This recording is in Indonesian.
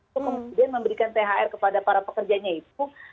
kemudian memberikan thr kepada para pekerja yang tidak mampu